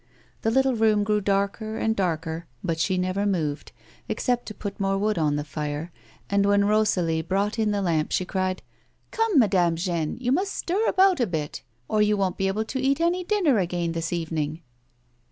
The little room grew darker and darker but she never moved, except to put more wood on the fire, and when Rosalie brought in the lamp she cried :" Come, Madame Jeanne, you must stir about a bit, or you won't be able to eat any dinner again this evening."